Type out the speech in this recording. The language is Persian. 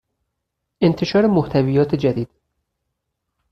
انتشار محتویات جدید